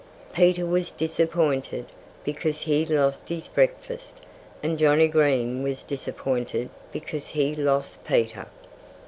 Peter was disappointed, because he lost his breakfast. And Johnnie Green was disappointed, because he lost Peter.